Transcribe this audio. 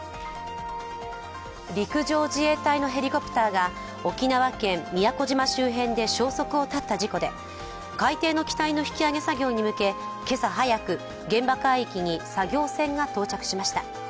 陸上自衛隊のヘリコプターが沖縄県宮古島周辺で消息を絶った事故で、海底の機体の引き揚げ作業に向け今朝早く、現場海域に作業船が到着しました。